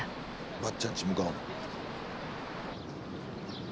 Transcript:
ばっちゃんち向かうの。